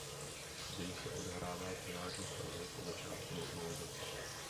Děj se odehrává převážně v Praze po začátku normalizace.